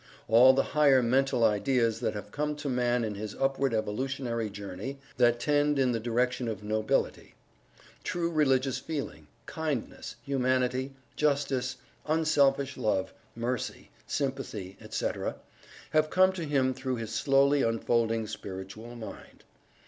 All the higher mental ideas that have come to Man in his upward evolutionary journey, that tend in the direction of nobility; true religious feeling; kindness; humanity; justice; unselfish love; mercy; sympathy, etc., have come to him through his slowly unfolding Spiritual Mind.